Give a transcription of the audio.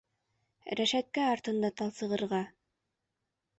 Рәшәткә артында талсығырға...